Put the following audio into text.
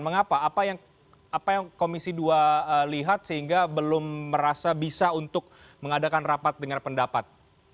mengapa apa yang komisi dua lihat sehingga belum merasa bisa untuk mengadakan rapat dengar pendapat